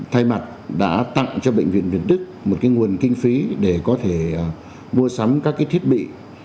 thay mặt đã tặng cho bệnh viện việt đức một nguồn kinh phí để có thể mua sắm các thiết bị